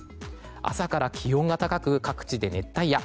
朝から気温が高く各地で熱帯夜。